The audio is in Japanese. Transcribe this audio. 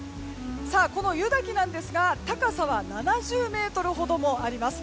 この湯滝ですが高さは７０ｍほどもあります。